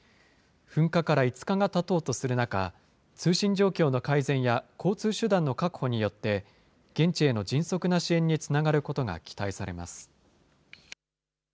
噴火から５日がたとうとする中、通信状況の改善や、交通手段の確保によって、現地への迅速な支援につながることが期待されます。